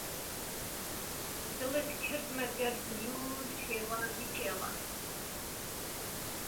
دڵتکردمه گەرد و لور شێوازی کێڵان